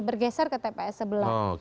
bergeser ke tps sebelah